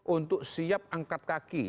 untuk siap angkat kaki